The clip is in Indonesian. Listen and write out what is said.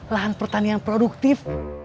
lahan pertanian produktif